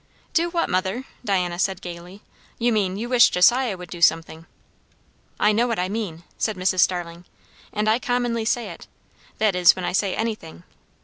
"Do what, mother?" Diana said gaily. "You mean, you wish Josiah would do something." "I know what I mean," said Mrs. Starling, "and I commonly say it. That is, when I say anything.